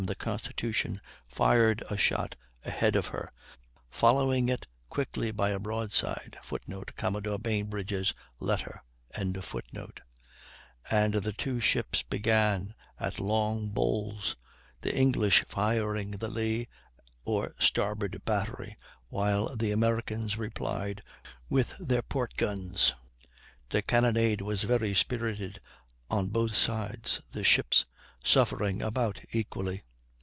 the Constitution fired a shot ahead of her, following it quickly by a broadside, [Footnote: Commodore Bainbridge's letter.] and the two ships began at long bowls, the English firing the lee or starboard battery while the Americans replied with their port guns. The cannonade was very spirited on both sides, the ships suffering about equally.